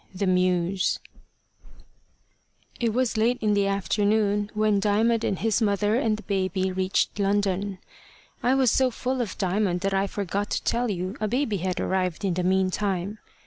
THE MEWS IT WAS late in the afternoon when Diamond and his mother and the baby reached London. I was so full of Diamond that I forgot to tell you a baby had arrived in the meantime.